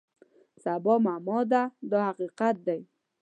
سبا معما ده دا حقیقت دی.